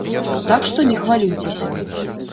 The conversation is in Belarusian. Так што не хвалюйцеся.